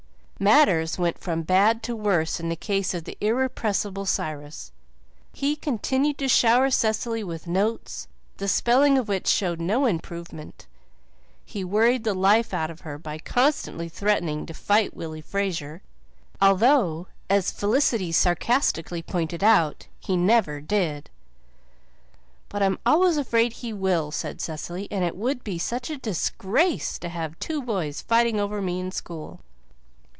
Matters went from bad to worse in the case of the irrepressible Cyrus. He continued to shower Cecily with notes, the spelling of which showed no improvement; he worried the life out of her by constantly threatening to fight Willy Fraser although, as Felicity sarcastically pointed out, he never did it. "But I'm always afraid he will," said Cecily, "and it would be such a DISGRACE to have two boys fighting over me in school."